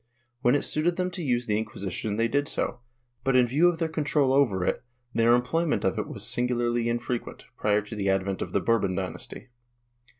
V.'hen it suited them to use the Inquisition they did so but, in view of their control over it, their employment of it was singularly infrequent, prior to the advent of the Bourbon dynasty.